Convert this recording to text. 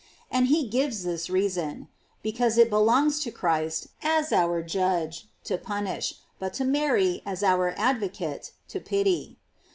] And he gives this reason: Because it belongs to Christ, as our judge, to punish, but to Mary, as our advocate, to pity.